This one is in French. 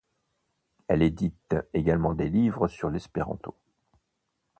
Elle édite également des livres sur l'espéranto.